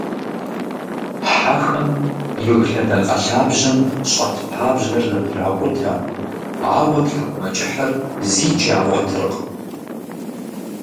Хьэхэм жыг лъэдакъэ лъабжьэм щӀэт пабжьэр зэтракъутэ, ауэ тхьэкӀумэкӀыхьыр зикӀ ягъуэтыркъым.